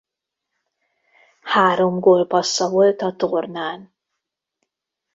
Három gólpassza volt a tornán.